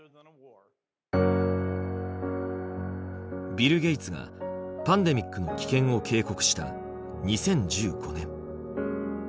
ビル・ゲイツがパンデミックの危険を警告した２０１５年。